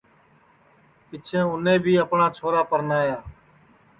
پیچھیں اُنے بھی اپٹؔا چھورا پرنایا